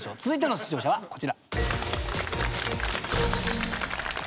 続いての出場者はこちら。